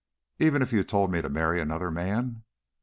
"Even if you told me to marry another man?"